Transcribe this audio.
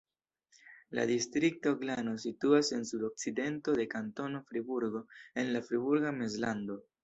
La distrikto Glano situas en sudokcidento de Kantono Friburgo en la Friburga Mezlando.